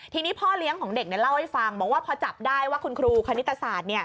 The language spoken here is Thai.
ทีนี้พ่อเลี้ยงของเด็กเล่าให้ฟังบอกว่าพอจับได้ว่าคุณครูคณิตศาสตร์